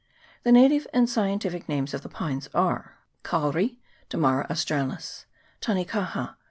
The native and scientific names of the pines are Kauri ... Dammara Australis. Tanekaha